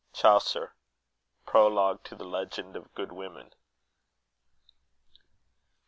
CHAUCER Prologue to the Legend of Good Women.